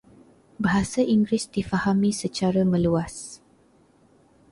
Bahasa Inggeris difahami secara meluas.